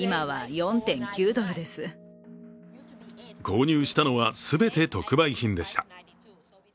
購入したのは全て特売品でした。